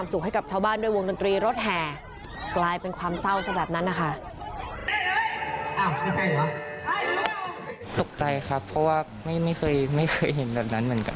ตกใจครับเพราะว่าไม่เคยเห็นแบบนั้นเหมือนกัน